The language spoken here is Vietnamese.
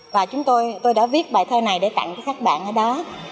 và chúng tôi đã viết bài thơ này để tặng cho các bạn ở đó